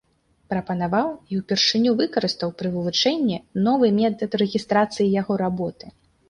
Прапанаваў і ўпершыню выкарыстаў пры вывучэнні новы метад рэгістрацыі яго работы.